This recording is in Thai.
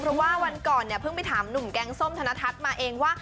เพราะว่าวันก่อนเนี่ยเพิ่งไปถามหนุ่มแกงส้มธนทัศน์มาเองว่า